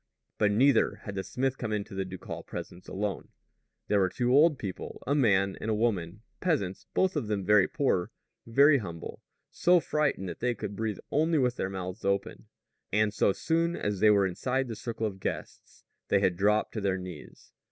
But neither had the smith come into the ducal presence alone. There were two old people a man and a woman, peasants, both of them very poor, very humble, so frightened that they could breathe only with their mouths open; and so soon as they were inside the circle of guests, they had dropped to their knees.